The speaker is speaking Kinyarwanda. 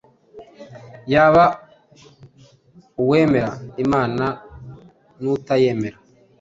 yaba uwemera Imana n’utayemera